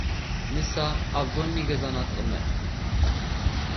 ንሳ፡ ኣብ ጎድኒ ገዛና ትቕመጥ።